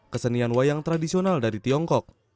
kesenian wayang tradisional dari tiongkok